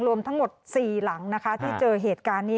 รวมทั้งหมด๔หลังนะคะที่เจอเหตุการณ์นี้